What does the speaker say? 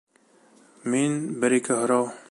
Мин бер-ике һорау...